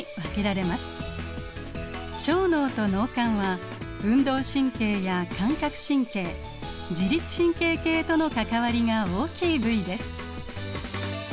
小脳と脳幹は運動神経や感覚神経自律神経系との関わりが大きい部位です。